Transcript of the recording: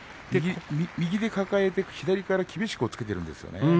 右で抱えて左から厳しく押っつけているんですよね。